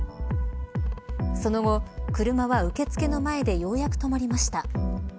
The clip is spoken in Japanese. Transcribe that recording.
その後、車は受け付けの前でようやく止まりました。